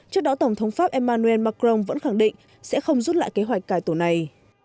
trước đó tổng thống pháp emmanuel macron vẫn khẳng định sẽ không rút lại kế hoạch cải tổ này